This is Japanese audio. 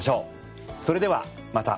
それではまた。